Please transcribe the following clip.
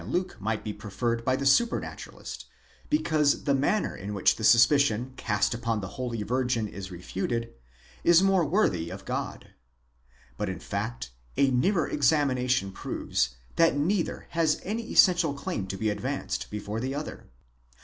Luke might be preferred by the supranaturalist, because the manner in which the suspicion cast upon the holy virgin is refuted is more worthy of God. But in fact, a nearer examination proves, that neither has any essential claim to be advanced before the other.